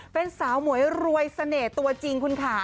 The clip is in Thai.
เป็นสาวหมวยรวยเสน่ห์ตัวจริงคุณค่ะ